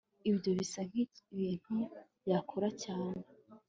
Ibyo bisa nkibintu yakora cyane